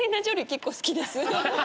結構好きです。